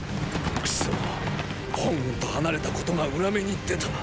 くそっ本軍と離れたことが裏目に出た！